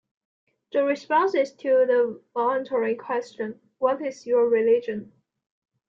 The responses to the voluntary question What is your religion?